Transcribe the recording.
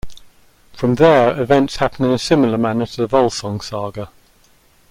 From there events happen in a similar manner to the Volsung Saga.